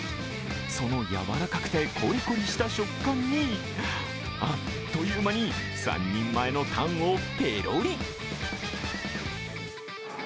その柔らかくてコリコリした食感にあっという間に３人前のタンをペロリ。